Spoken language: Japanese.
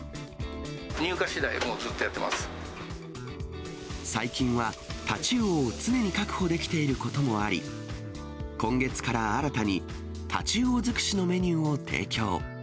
入荷しだい、もうずっとやっ最近は、タチウオを常に確保できていることもあり、今月から新たにタチウオ尽くしのメニューを提供。